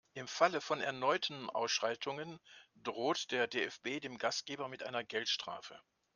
Im Falle von erneuten Ausschreitungen droht der DFB dem Gastgeber mit einer Geldstrafe.